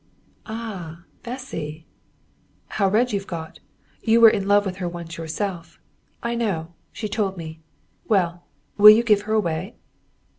"Ah, Bessy!" "How red you've got! You were in love with her once yourself. I know! She told me. Well, will you give her away?"